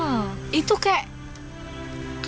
oh itu kak